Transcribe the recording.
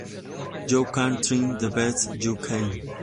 You can try the best you can.